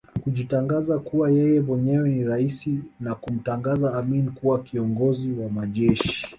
kujitangaza kuwa yeye mwenyewe ni raisi na kumtangaza Amin kuwa Kiongozi wa Majeshi